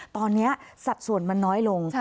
ตอนนี้สัดส่วนมันน้อยลง